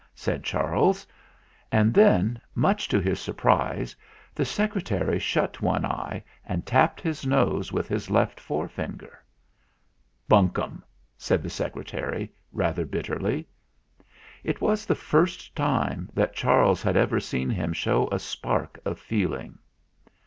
said Charles. And then, much to his surprise, the Secre tary shut one eye and tapped his nose with his left forefinger. "Bunkum!" said the Secretary, rather bit terly. It was the first time that Charles had ever seen him show a spark of feeling.